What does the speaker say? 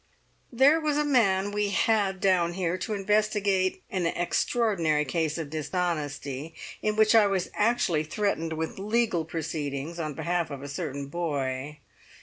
"There was a man we had down here to investigate an extraordinary case of dishonesty, in which I was actually threatened with legal proceedings on behalf of a certain boy.